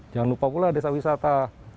jangan lupa pula desa wisata